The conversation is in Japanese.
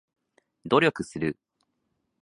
努力する